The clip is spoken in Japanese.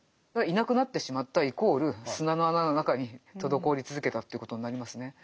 いなくなってしまったイコール砂の穴の中に滞り続けたということになりますね。